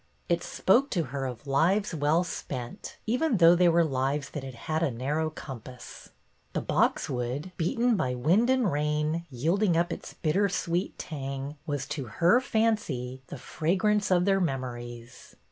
It spoke to her of lives well spent, even though they were lives that had had a narrow compass; the boxwood beaten by wind and rain, yielding up its bitter sweet tang, was, to her fancy, the fragrance of their memories.